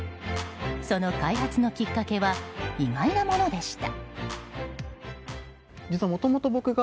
その開発のきっかけは意外なものでした。